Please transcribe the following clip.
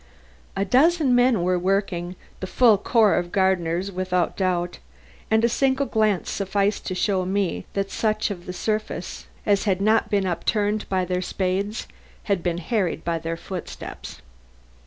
A dozen men were working the full corps of gardeners without doubt and a single glance sufficed to show me that such of the surface as had not been upturned by their spades had been harried by their footsteps.